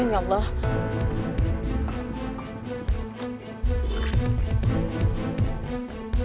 kalau aku mau